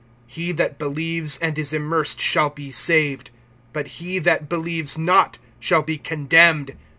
(16)He that believes and is immersed shall be saved; but he that believes not shall be condemned.